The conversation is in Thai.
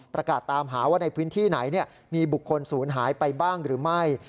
ประกาศตามหาว่าในพื้นที่ไหนมีบุคคลศูนย์หายไปบ้างหรือไม่